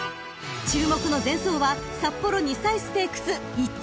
［注目の前走は札幌２歳ステークス１着］